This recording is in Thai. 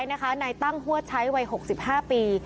ลงค้นหาศพสุดท้ายนะคะในตั้งหัวใช้วัย๖๕ปี